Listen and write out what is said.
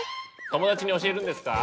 友達に教えるんですか？